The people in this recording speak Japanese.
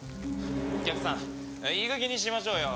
お客さんいいかげんにしましょうよ。